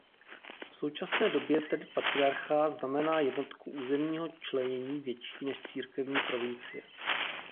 V současné době tedy patriarchát znamená jednotku územního členění větší než církevní provincie.